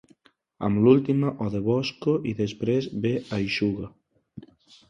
Amb l'última o de Bosco i després «ve, eixuga».